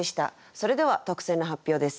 それでは特選の発表です。